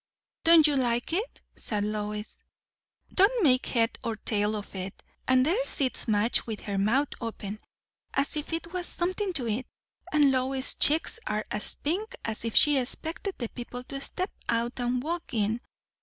"Don't you like it?" said Lois. "Don't make head or tail of it. And there sits Madge with her mouth open, as if it was something to eat; and Lois's cheeks are as pink as if she expected the people to step out and walk in.